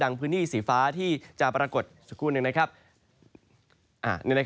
ดังพื้นที่สีฟ้าที่จะปรากฏสักครู่หนึ่ง